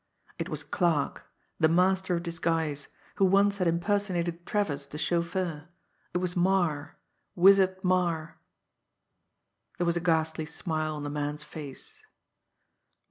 It was Clarke, the master of disguise, who once had impersonated Travers, the chauffeur; it was Marre Wizard Marre. There was a ghastly smile on the man's face.